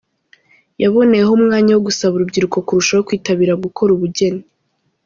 Yaboneyeho umwanya wo gusaba urubyiruko kurushaho kwitabira gukora ubugeni.